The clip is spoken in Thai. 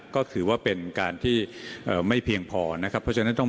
ก็คือว่าเป็นการที่ไม่เพียงพอนะครับ